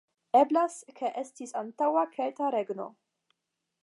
Eblas ke estis antaŭa kelta regno.